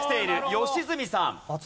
良純さん。